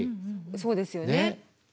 そうですよね。